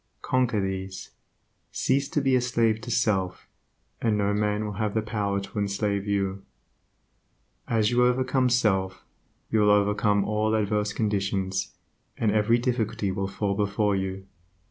Conquer these; cease to be a slave to self, and no man will have the power to enslave you. As you overcome self, you will overcome all adverse conditions, and every difficulty will fall before you.